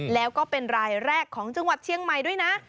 แล้วก็เป็นรายแรกของจังหวัดเชียงใหม่ด้วยนะ